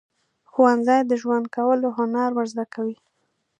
ښوونځی د ژوند کولو هنر ورزده کوي.